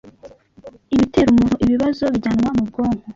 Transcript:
Ibitera umuntu ibibazo bijyanwa mubwonko